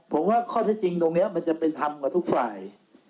ผมว่าข้อเท็จจริงตรงนี้มันจะเป็นธรรมกับทุกฝ่าย